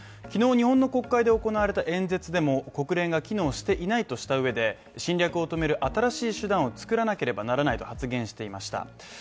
昨日日本の国会で行われた演説でも国連が機能していないということで侵略を止める新しい手段を作らなければならないと発言していました。